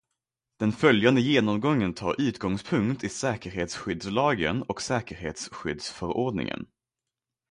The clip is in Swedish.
Den följande genomgången tar utgångspunkt i säkerhetsskyddslagen och säkerhetsskyddsförordningen.